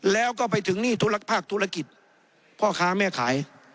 แล้วก็ไปถึงหนี้ธุรกภาคธุรกิจเพราะค้าไม่ขาย